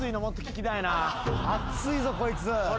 熱いぞこいつ。